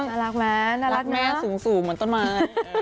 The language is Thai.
น่ารักไหมน่ารักแม่สูงเหมือนต้นไม้